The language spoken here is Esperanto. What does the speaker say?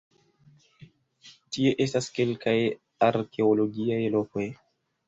Tie estas kelkaj arkeologiaj lokoj.